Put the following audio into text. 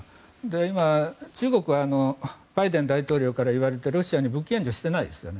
今、中国はバイデン大統領から言われてロシアに武器援助をしていないですよね。